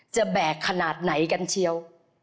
แบกขนาดไหนกันเชียว